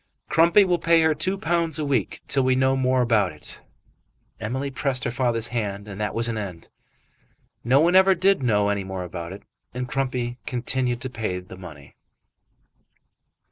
"Crumpy will pay her two pounds a week till we know more about it." Emily pressed her father's hand and that was an end. No one ever did know any more about it, and Crumpy continued to pay the money.